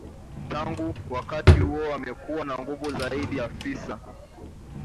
Tangu wakati huo wamekuwa na nguvu zaidi afisa